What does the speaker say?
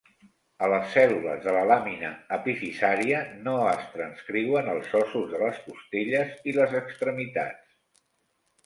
A les cèl·lules de la làmina epifisaria no es transcriuen els ossos de les costelles i les extremitats.